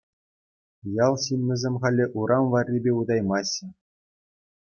Ял ҫыннисем халӗ урам варрипе утаймаҫҫӗ.